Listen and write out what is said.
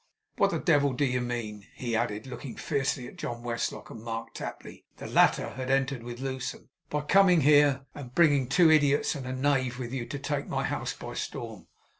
What the devil do you mean,' he added, looking fiercely at John Westlock and Mark Tapley (the latter had entered with Lewsome), 'by coming here, and bringing two idiots and a knave with you to take my house by storm?